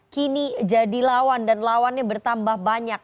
kini jadi lawan dan lawannya bertambah banyak